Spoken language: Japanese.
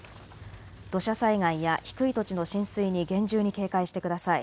土砂災害や低い土地の浸水に厳重に警戒してください。